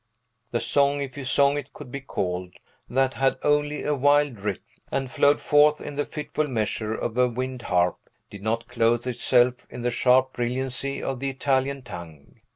The song, if song it could be called, that had only a wild rhythm, and flowed forth in the fitful measure of a wind harp, did not clothe itself in the sharp brilliancy of the Italian tongue.